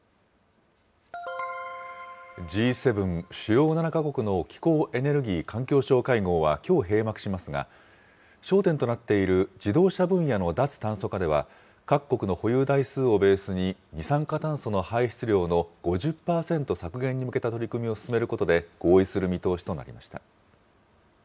Ｇ７・主要７か国の気候・エネルギー・環境相会合はきょう閉幕しますが、焦点となっている自動車分野の脱炭素化では、各国の保有台数をベースに、二酸化炭素の排出量の５０％削減に向けた取り組みを進めることで合意する見通しとなりました。